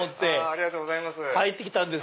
ありがとうございます。